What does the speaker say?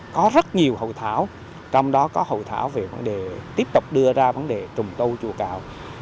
có rất nhiều hậu thảo trong đó có hậu thảo về tiếp tục đưa ra vấn đề trùng tâu chùa cầu